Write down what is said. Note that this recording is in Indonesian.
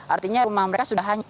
artinya rumah mereka sudah